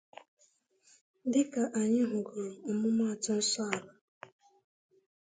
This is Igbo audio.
Dịka anyị hụgoro ọmụmaatụ Nsọala